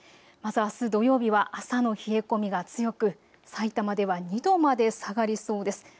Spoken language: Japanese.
まずあす土曜日は朝の冷え込みが強くさいたまでは２度まで下がりそうです。